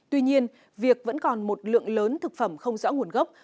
tuy nhiên việc vẫn còn một lượng lớn thực phẩm không rõ nguồn gốc